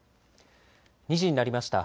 ２時になりました。